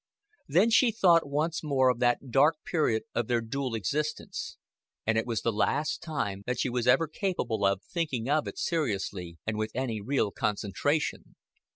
Then she thought once more of that dark period of their dual existence; and it was the last time that she was ever capable of thinking of it seriously and with any real concentration.